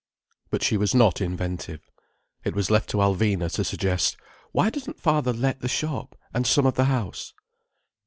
But she was not inventive. It was left to Alvina to suggest: "Why doesn't father let the shop, and some of the house?"